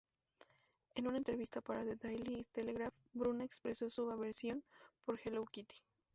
En una entrevista para The Daily Telegraph, Bruna expresó su aversión por Hello Kitty.